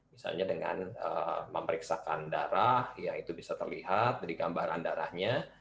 misalnya dengan memeriksakan darah ya itu bisa terlihat dari gambaran darahnya